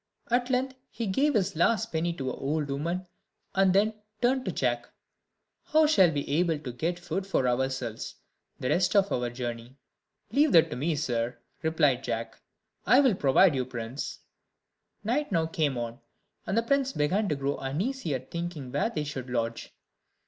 At length he gave his last penny to an old woman, and then turned to Jack, "How shall we be able to get food for ourselves the rest of our journey?" "Leave that to me, sir," replied Jack; "I will provide for my prince." Night now came on, and the prince began to grow uneasy at thinking where they should lodge.